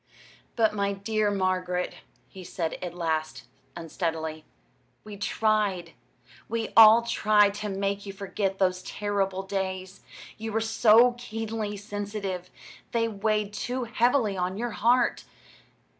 "But, my dear Margaret," he said at last, unsteadily, "we tried we all tried to make you forget those terrible days. You were so keenly sensitive they weighed too heavily on your heart.